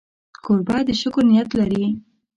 کوربه د شکر نیت لري.